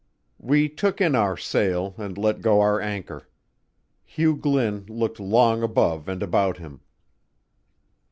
V We took in our sail and let go our anchor. Hugh Glynn looked long above and about him.